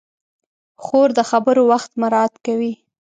خور د خبرو وخت مراعت کوي.